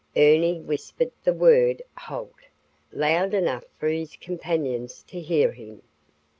Ernie whispered the word "Halt" loud enough for his companions to hear him.